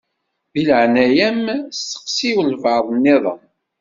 Di leɛnaya-m steqsi walebɛaḍ-nniḍen.